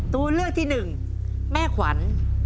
ตัวเลือกที่๑แม่ขวัญ